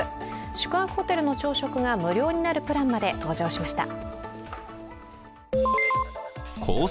宿泊ホテルの朝食が無料になるプランまで登場しました。